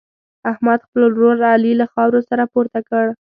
احمد، خپل ورور علي له خاورو څخه پورته کړ.